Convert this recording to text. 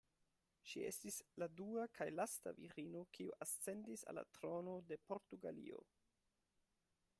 Ŝi estis la dua kaj lasta virino kiu ascendis al la trono de Portugalio.